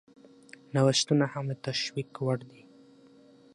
نوښتونه هم د تشویق وړ دي.